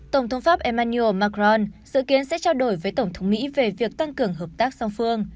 tổng thống pháp emmanio macron dự kiến sẽ trao đổi với tổng thống mỹ về việc tăng cường hợp tác song phương